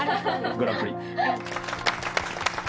グランプリ。